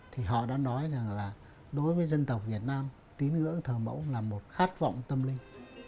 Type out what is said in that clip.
thì họ đã nói rằng là đối với dân tộc việt nam tín ngưỡng thờ mẫu là một khát vọng tâm linh